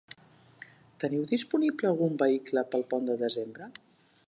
Teniu disponible algun vehicle pel pont de desembre?